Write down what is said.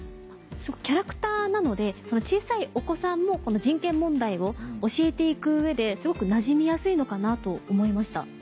キャラクターなので小さいお子さんもこの人権問題を教えて行く上ですごくなじみやすいのかなと思いました。